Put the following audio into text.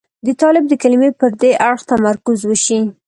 د طالب د کلمې پر دې اړخ تمرکز وشي.